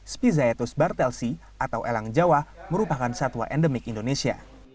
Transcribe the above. spizayatus bartelsi atau elang jawa merupakan satwa endemik indonesia